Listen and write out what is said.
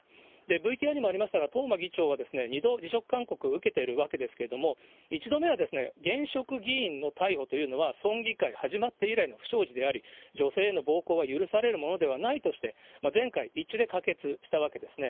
ＶＴＲにもありましたけれども、東間議長は、２度辞職勧告を受けているわけですけれども、１度目は現職議員の逮捕というのは、村議会始まって以来の不祥事であり、女性への暴行は許されるものではないとして、全会一致で可決したわけですね。